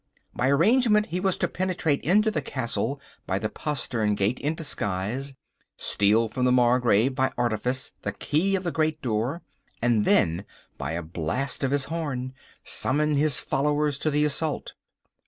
By arrangement he was to penetrate into the castle by the postern gate in disguise, steal from the Margrave by artifice the key of the great door, and then by a blast of his horn summon his followers to the assault.